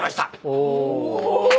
お！